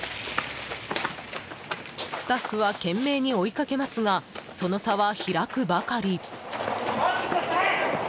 スタッフは懸命に追いかけますがその差は開くばかり。